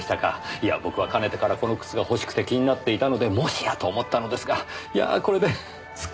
いや僕はかねてからこの靴が欲しくて気になっていたのでもしやと思ったのですがいやこれですっきりしました。